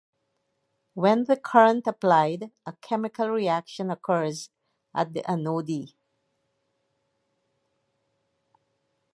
When the current is applied, a chemical reaction occurs at the anode.